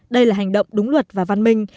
đây là hành động đúng luật và văn minh